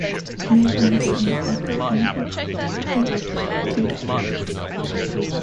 They had one son, the author Andrew Robinson and two daughters.